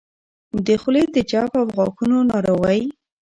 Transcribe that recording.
د خولې د جوف او غاښونو ناروغۍ